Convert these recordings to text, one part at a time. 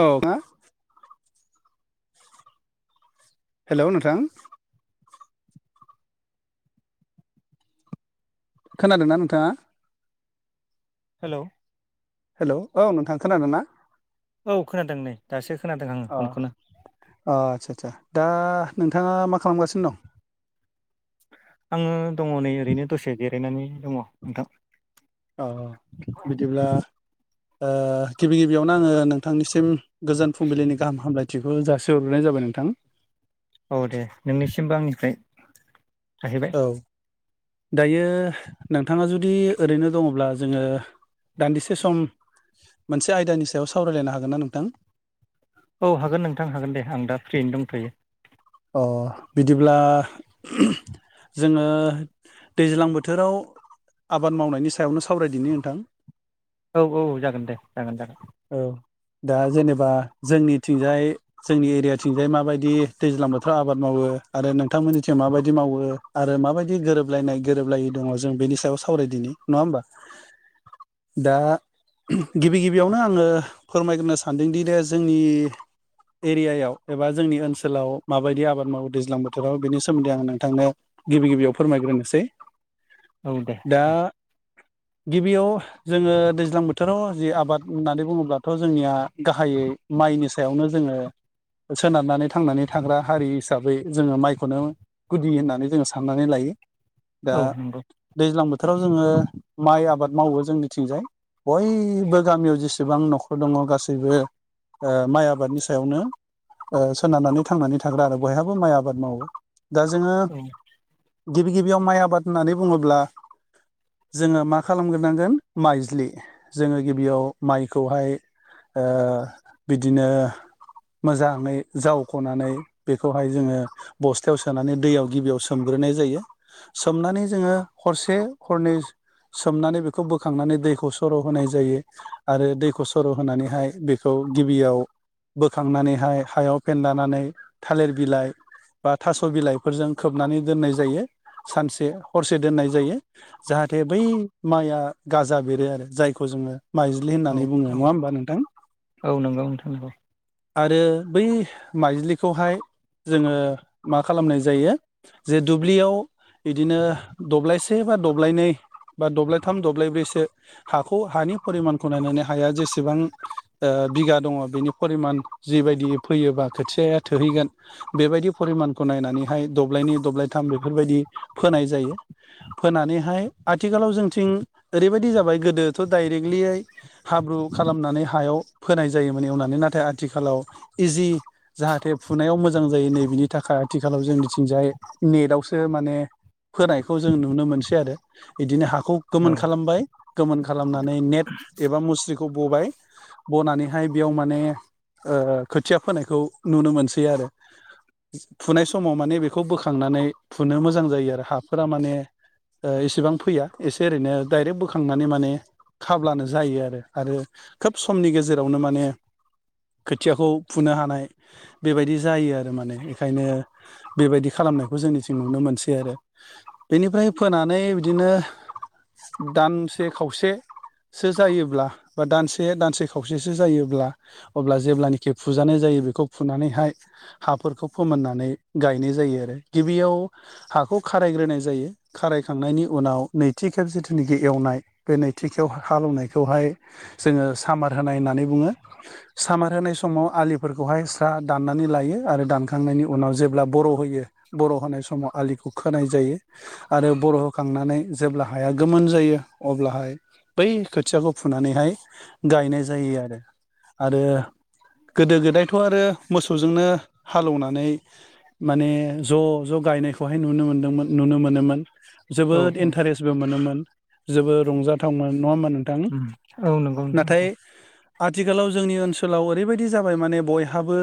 औ मा हेल' नोंथां खोनादोंना नोंथाङा हेल' हेल' औ नोंथां खोनादोंना? औ खोनादों नै दासो खोनादों आङो अ फनखौनो अ आतसा आतसा दा नोंथाङा मा खालामगासिनो दं आङो दङ नै ओरैनो दसे जिरायनानै दङ नोंथां औ बिदिब्ला गिबि गिबियावनो आङो नोंथांनिसिम गोजोन फुंबिलिनि गाहाम हामलायथिखौ जासिहर्रोनाय जा जाबाय नोंथां औ दे नोंनिसिमबो आंनिफ्राय थाहैबाय औ दायो नोंथाङा जुदि ओरैनो दङब्ला जोङो दान्दिसे सम मोनसे आयदानि सायाव सावरायलायनो हागोन ना नोंथां? औ हागोन नोंथां हागोन दे आं दा फ्रियैनो दंथ'यो अ बिदिब्ला जोङो दैज्लां बोथोराव आबाद मावनायनि सायावनो सावरायदिनि नोंथां औ औ जागोन दे जागोन जागोन औ दा जेनेबा जोंनिथिंजाय जोंनि एरियाथिंजाय माबायदि दैज्लां बोथोराव आबाद मावो आरो नोंथांमोननिसिम माबायदि मावो आरो माबायदि गोरोब गोबलायनाय गोरोबलायै दङ जों बेनि सायाव सावरायदिनि नङा होमबा दा गिबि गिबियावनो आङो फोरमायग्रोनो सानदोंदि द जोंनि एरियायाव एबा जोंनि ओनसोलाव माबायदि आबाद मावो दैज्लां बोथोराव बेनि सोमोन्दै आं नोंथांनो गिबि गिबियाव फोरमायग्रोनोसै औ दे दा गिबियाव जोङो दैज्लां बोथोराव जि आबाद होननानै बुङोब्लाथ' जोंनिया गाहायै माइनि सायावनो जोङो सोनारनानै थांनानै थाग्रा हारि हिसाबै जोङो माइखौनो गुदि होननानै जोङो साननानै लायो दा औ नंगौ दैज्लां बोथो बोथोराव जोङो माइ आबाद मावो जोंनिथिंजाय बयबो गामियाव जेसेबां न'खर दङ गासैबो ओ माइ आबादनि सायावनो ओ सोनारनानै थांनानै थाग्रा आरो बयहाबो माइ आबाद मावो दा जोङो औ गिबि गिबियाव माइ आबाद होननानै बुङोब्ला जोङो मा खालामग्रोनांगोन माइज्लि जोङो गिबियाव माइखौहाय ओ बिदिनो मोजाङै जावख'नानै बेखौहाय जोङो बस्थायाव सोनानै दैयाव गिबियाव सोमग्रो सनाय जायो सोमनानै जोङो हरसे हरनै सोमनानै बेखौ बोखांनानै दैखौ सर' होनाय जायो आरो दैखौ सर' होनानैहाय बेखौ गिबियाव बोखांनानैहाय हायाव फेन्दानानै थालिर बिलाइ बा थास' बिलाइफोरजों खोबनानै दोननाय जायो सानसे हरसे दोननाय जायो जाहाथे बै माइया गाजा बेरो आरो जायखौ जोङो मज्लि औ होननानै बुङो औ नङा होमबा नोंथां औ नंगौ नोंथां नंगौ आरो बै माइज्लिखौहाय जोङो मा खालामनाय जायो जे दुब्लियाव बिदिनो दब्लायसे बा दब्लायनै बा दब्लायथाम दब्लायब्रैसो हाखौ हानि परिमानखौ नायनानै हाया जेसेबां बिघा दङ बिनि फरिमान जिबायदि फैयोबा खोथियाया थोहैगोन बेबायदि फिमानखौ नायनानैहाय दब्लायनै दब्लायथाम बेफोरबायदि फोनाय जायो फोनानैहाय आथिखालाव जोंथिं ओरैबायदि जाबाय गोदोथ' डाइरेक्टलियै हाब्रु खालामनानै हायाव फोनाय जायोमोन एवनानै नाथाय आथिखालाव इजि जाहाथे फुनायाव मोजां जायो नै बिनि थाखाय आथिखालाव जों मिथिंजाय नेटआवसो माने फोनायखौ जों नुनो मोनसै आरो बिदिनो हाखौ औ गोमोन खालामबाय गोमोन खालामनानै नेट एबा मुस्रिखौ बबाय बनानैहाय बेयाव माने ओ खोथिया फोनायखौ नुनो मोनसै आरो फुनाय समाव माने बेखौ बोखांनानै फुनो मोजां जायो आरो हाफोरा माने ओ इसेबां फैया एसे ओरैनो दायरेक्ट बोखांनानै माने खाब्लानो जायो आरो आरो खोब समनि गेजेरावनो माने खोथियाखौ फुनो हानाय बेबायदि जायो आरो माने बेखायनो बेबायदि खालामनायखौ जोंनिथिं नुनो मोनसै आरो बेनिफ्राय फोनानै बिदिनो दानसे खावसे सो जायोब्ला बा दानसे दानसे खावसेसो जायोब्ला अब्ला जेब्लानखि खे फुजानाय जायो बेखौ फुनानैहाय हाफोरखौ फोमोननानै गायनाय जायो आरो गिबियाव हाखौ खारायग्रोनाय जायो खारायखांनायनि उनाव नैथि खेब जिथुनाखि एवनाय बे नैथि खेब हालनायखौ जों सामार होनाय होननानै बुङो सामार होनाय समाव आ फोरखौहाय स्रा दाननानै लायो आरो दानखांनायनि उनाव जेब्ला बर' होयो बर' होनाय समाव आलि खोनाय जायो आरो बर' होखांनानै जेब्ला हाया गोमोन जायो अब्लाहाय बै खोथियाखौ फुनानैहाय गायनाय जायो आरो आरो गोदो गोदायथ' आरो मोसौजोंनो हालेवनानै माने ज' ज' गायनायखौहाय नुनो मोनदोंमोन नुनो मोनोमोन औ जोबोद औ इन्टारेस्टबो मोनोमोन जेबो रंजाथावमोन नङा होमबा नोंथां उम औ नंगौ नोंथां नाथाय नंगौ आथिखालाव जोंनि ओनसोलाव ओरैबायदि जाबाय माने बयहाबो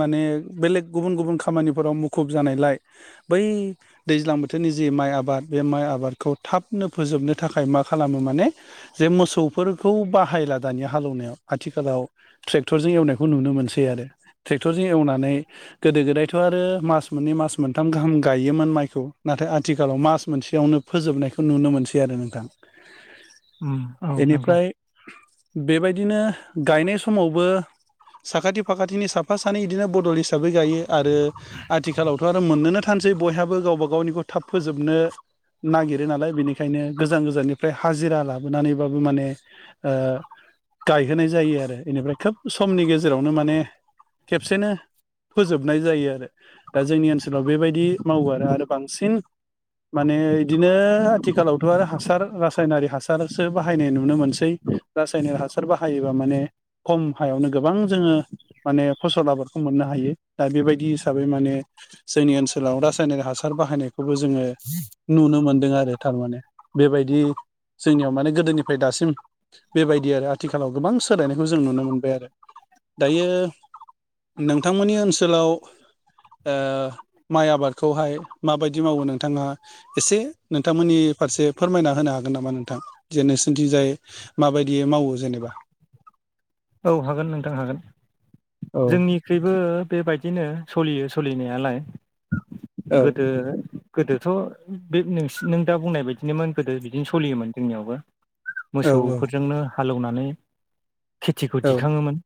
माने बेलेग गुबुन गुबुन खामानिफोराव मुखुब जानायलाय बै दैज्लां बोथोरनि जि माइ आबाद बे माइ आबादखौ थाबनो फोजोबनो थाखाय मा खालामो माने जे मोसौफोरखौ बाहायला दानि हालेवनायाव आथिखालाव ट्रेक्टरजों एवनाय नुयो मोनसै आरो ट्रेक्टरजों एवनानै खौ गोदो गोदायथ आरो माच मोनै माच मोनथाम गायोमोन माइखौ नाथाय आथिखालाव मास मोनसेयावनो फोजोबनायखौ नुनो मोनसै आरो नोंथां औ औ नंगौ बेनिफ्राय बेबायदिनो गायनाय समावबो साखाथि फाखाथिनि साफा सानै बिदिनो बडल हिसाबै गायो आरो आथिखालावथ' आरो मोननोनो सानसै बयहाबो गावबा गावनिखौ थाब फोजोबनो नागिरो नालाय बेनिखायनो गोजान गोजाननिफ्राय हाजिरा लाबोनानैबाबो माने ओ गायहोनाय जायो आरो बेनिफ्राय खोब समनि गेजेरावनो माने खेबसेनो फोजोबनाय जायो आरो दा जोंनि ओनसोलाव बेबायदि मावो आरो आरो बांसिन माने बिदिनो आथिखालावथ' आरो हासार रासायनारि हासारसो बाहायनाय नुनो मोनसै रासायनारो हासार बाहायोबा माने खम हायावनो गोबां जोङो माने फसल आबादखौ मोननो हायो दा बेबायदि हिसाबै माने जोंनि ओनसोलाव रासायनारि हासार बाहायनाय खौबो जोङो नुनो मोनदों आरो थारमाने बेबायदि जोंनियाव माने गोदोनिफ्राय दासिम बेबायदि आरो आथिखालाव गोबां सोलायनायखौ जों नुनो मोनबाय आरो दायो नोंथांमोननि ओनसोलाव ओ माइ आबादखौहाय माबायदि मावो नोंथाङा एसे नोंथांमोननि फारसे फोरमायना होनो नो होन नामा नोंथां जे नोंसोरथि जाय माबायदियै मावो जेनेबा औ हागोन नोंथां हागोन औ जोंनिख्रुइबो बेबायदिनो सोलियो सोलिनायालाय औ गोदो गोदोथ' बे नों दा बुंनाय बायदिनोमोन गोदो बिदिनो सोलियोमोन जोंनियावबो औ मोसौफोरजोंनो हालेवनानै खेथिखौ औ दिखाङोमोन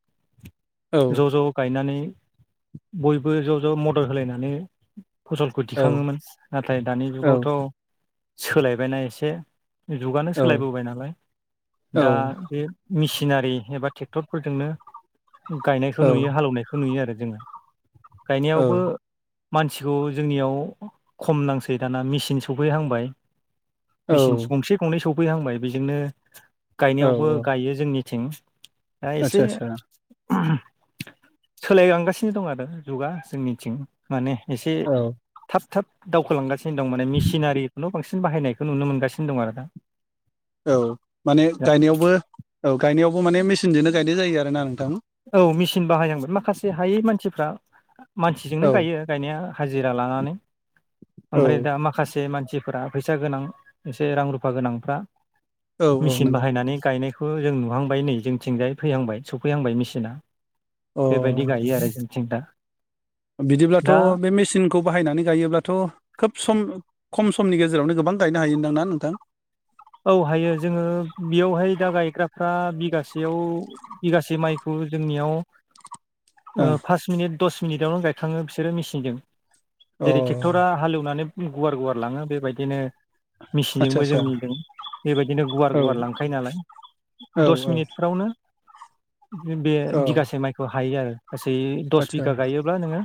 औ ज' ज' गायनानै बयबो ज' ज' मदद होलायनानै फसलखौ औ दिखाङोमोन नाथाय दानि औ जुगावथ' सोलायबायना एसे जुगानो औ सोलायबोबाय नालाय दा बे मेसिनारि एबा ट्रेक्टरफोरजोंनो गायनायखौ नुयो हालेवनायखौ नुयो आरो जोङो औ गायनायावबो मानसिखौ जोंनियाव खम नांसै दाना मेसिन सफैहांबाय औ मेसिन गंसे गंनै सफैहांबाय बेजोंनो गायनायावबो औ गायो जोंनिथिं दा एसे आतसा आतसा सोलायलांगासिनो दं आरो जुगा जोंनिथिं माने एसे औ थाब थाब दावखोलांगासिनो दं माने मेसिनारि जुग बांसिन बाहायनायखौ नुनो मोनगासिनो दं आरो दा औ माने गायनायावबो औ गायनायावबो माने मेसिनजोंनो गायनाय जायो आरोना नोंथां औ मेसिन बाहायनांगोन माखासे हायै मानसिफ्रा मानसिजोंनो औ गायो गायनाया हाजिरा लानानै औ ओमफ्राय दा माखासे मानसि सिफ्रा फैसा गोनां एसे रां रुफा गोनांफ्रा औ औ मेसिन नंगौ बाहायनानै गायनायखौ खो जों नुहांबाय नै जोंथिंजाय फैहांबाय सफैहांबाय मेसिना अ बेबायदि गायो आरो जों सिन्था बिदिब्लाथ' बे मेसिनखौ बाहायनानै गायोब्लाथ' खोब सम खम समनि गेजेरावनो गोबां गायनो हायोनदांना नोंथां औ हायो जोङो बेयावहाय दा गायग्राफ्रा बिगासेयाव बिगासे माइखौ जोंनियाव [unintelligible] ओ ओं पास मिनिट दस मिनिटावनो गायखाङो बिसोरो मेसिनजों अ जेरै ट्रेक्टरा हालेवनानै गुवार गुवार लाङो बेबायदिनो आदसा मिसिनजोंबो आदसा जोंनिजों बेबायदिनो गुवार औ गुवार लांखायो नालाय औ दस औ मिनिटफ्रावनो बे अ बिगासे माइखौ हायो आरो गासै दस आदसा बिगा गायोब्ला नोंङो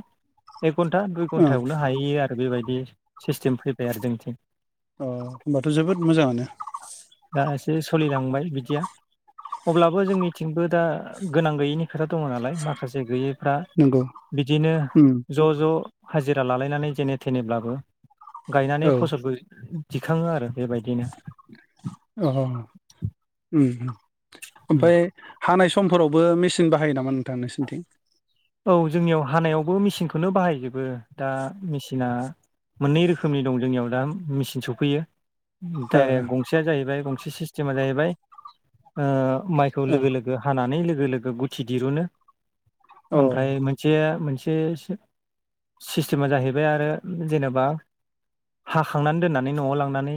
एक घन्टा दुइ ओं घन्टायावनो हाहैयो आरो बेबायदि सिस्टेम फैबाय आरो जोंनिथिं। अ होनबाथ' जोबोद मोजांङानो जे सोलिलांबाय बिदिया अब्लाबो जोंनिथिंबो दा गोनां गैयैनि खोथा दंङ नालाय माखासे गैयै फ्रा नंगौ बिदिनो उम ज' ज' हाजिरा लालायनानै जेने थेनेब्लाबो गायनानै औ फसलबो दिखांङो आरो बेबायदिनो अ उम ओमफ्राय हानाय सम समफोरावबो मेसिन बाहायो नामा नोंथां नोंसोरनिथिं औ जोंनियाव हानायावबो मेसिनखौनो बाहायजोबो दा मेसिना मोननै रोखोमनि दं जोंनियाव दा मेसिन सफैयो ओ डाइरेक्ट गंसेया जाहैबाय गंसे सिस्टेमा जाहैबाय ओ माइखौ ओ लोगो लोगो हानानै लोगो लोगो गुथि दिरुनो ओं ओमफ्राय मोनसेया मोन से स सिस्टेमा जाहैबाय आरो जेनेबा हाखांनानै दोननानै न'आव लांनानै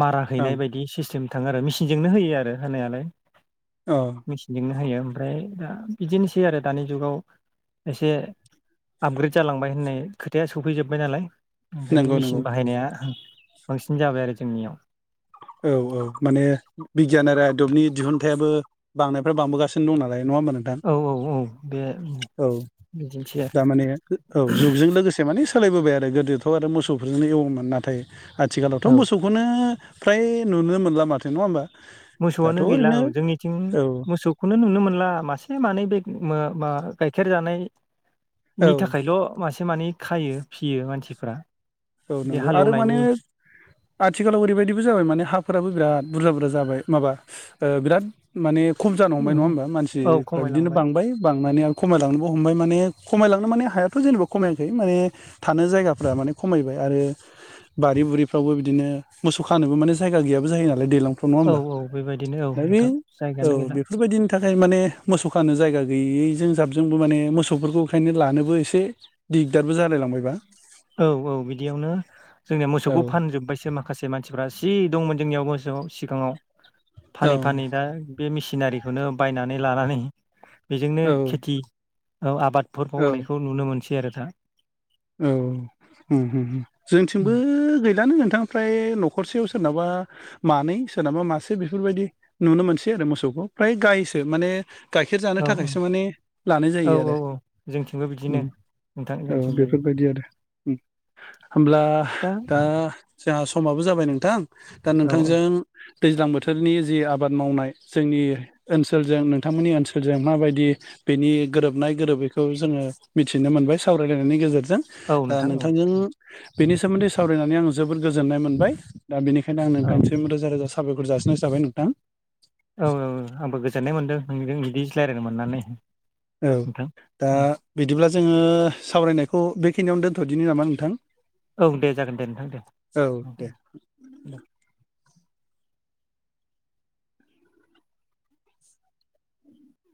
मारा अ ओं हैनाय बायदि सिस्टेम थांङो आरो मेसिनजोंनो होयो आरो होनायालाय। अ मेसिनजोंनो हायो ओमफ्राय दा बिदिनो सै आरो दानि जुगाव एसे आपग्रेद जालांबाय होननाय खोथाया सफैजोब्बाय नालाय ओंखायनो नंगौ मेसिन नंगौ बाहायनाया बांसिन जाबाय आरो जोंनियाव औ औ माने बिगियान बाय नंङा ओमबा नोंथां औ औ बे औ बिदिनोसै दा माने औ जुगजों लोगोसे माने सो सोलायबोबाय आरो गोदोथ' आरो मोसौफोरजोंनो एवोमोन नाथाय आथिखालावथ आरो औ मोसौखौनो फ्राय नुनो मोनला माथो नंङा होमबा दाथ' मोसौआनो गैला ओरैनो औ जोंनिथिं औ मोसौखौनो नुनो मोनला मासे मानै बे म मा गाइखेर औ जानायनि थाखायल मासे मानै खायो फियो मानसिफ्रा औ बे नंगौ आरो माने हालौनायनि आथिखालाव ओरैबायदिबो जाबाय माने हाफोराबो बिराद बुरजा बुरजा जाबाय माबा ओ बिराद माने खम जानो औ हमबाय नंङा होमबा औ मानसिफ्रा बिदिनो खमायलांबाय बांबाय बांनानै आ खमायलांनोबो हमबाय माने खमायलांनो माने हायाथ' जेनेबा खमायाखै माने थानो जायगाफ्रा माने खमायबाय आरो बारि बुरिफ्रावबो बिदिनो मोसौ खानोबो माने जायगा गैयाबो जायो नालाय दैलां नंङा औ होमबा औ बेबायदिनो औ दा बे नोंथां जायगायानो औ गैला बेफोरबायदिनि था फ्राय माने मोसौ खानो जायगा गैयैजों जाबजोंबो माने मोसौफोरखौ ओंखायनो लानोबो एसे दिगदारबो जालाय लांबायबा औ औ बिदियावनो जोंनिया औ मोसौखौ फानजोबबायसो माखासे मानसि मुफ्रा सि दंमोन जोंनियाव मोसौआव सिंगाङाव औ फानै फानै दा बे मेसिनारिखौनो बायनानै लानानै बेजोंनो औ खेथि आबाद फोर औ बावनायखौ नुनो मोनसै आरो दा औ जोंथिंबो गैलानो होन ओमफ्राय नखरसेयाव सोरनाबा मानै सोरनाबा मासे बेफोरबायदि नुनो मोनसै आरो मोसौखौ फ्राय गायसो माने गाइखेर जानो औ थाखायसो माने लानाय जायो आरो नोंथांजोंनोथिफयो बेबायदि आरो होमब्ला दा जोंहा समाबो जाबाय नोंथां दा औ औ नोंथांजों दैज्लां बोथोरनि जि आबाद मावनाय जोंनि ओनसोलजों नोंथांमोननि ओनसोलजों माबायदि बेनि गोरोबनाय गोरोबैखौ जोंङो मिथिनो मोनबाय सावरायलायनायनि गेजेरजों ओ औ नोंथां औ नोंथांजों बेनि सोमोन्दै सावरायनानै आं जोबोद गोजोननाय मोनबाय दा बेनिखायनो आं औ नोंथांसिम रोजा रोजा साबायर जासिनाय जाबाय नोंथां औ औ आंबो गोजोननाय मोनदों नोंजों बिदि रायज्लायनो मोननानै औ नोंथां दा बिदिब्ला जोङो सावरायनायखौ बेखिनियावनो दोन्थ'दिनि नामा नोंथां औ दे जागोन दे नोंथां औ दे देे।